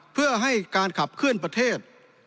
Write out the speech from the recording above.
เพื่อให้การขับเคลื่อนประเทศ